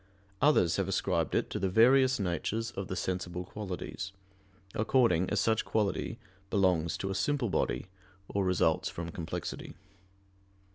Others have ascribed it to the various natures of the sensible qualities, according as such quality belongs to a simple body or results from complexity.